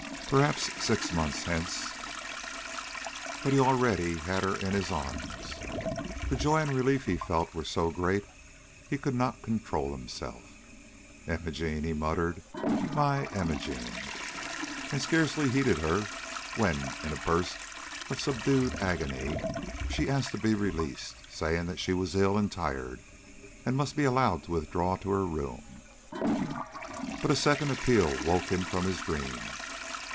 Perhaps six months hence " But he already had her in his arms. The joy and relief he felt were so great he could not control himself. "Imogene," he murmured, "my Imogene!" And scarcely heeded her when, in a burst of subdued agony, she asked to be released, saying that she was ill and tired, and must be allowed to withdraw to her room. But a second appeal woke him from his dream.